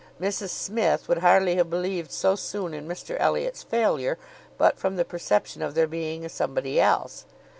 Mrs Smith would hardly have believed so soon in Mr Elliot's failure, but from the perception of there being a somebody else.